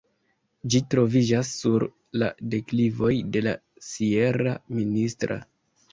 Ĝi troviĝas sur la deklivoj de la sierra Ministra.